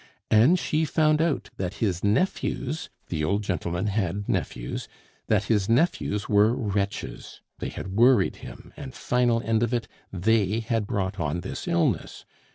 and she found out that his nephews the old gentleman had nephews that his nephews were wretches; they had worried him, and final end of it, they had brought on this illness.